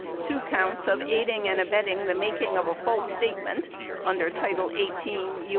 610, two counts of aiding and abetting the making of a false statement under 18 U.